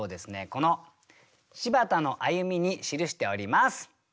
この「柴田の歩み」に記しております。